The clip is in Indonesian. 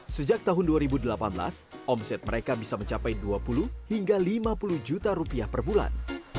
sejak tahun dua ribu delapan belas omset mereka bisa mencapai dua puluh hingga lima puluh juta rupiah per bulan